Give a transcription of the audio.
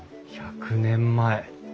１００年前。